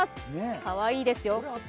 かわいいですよ。